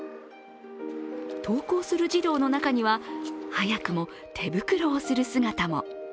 登校する児童の中には、早くも手袋をする姿も。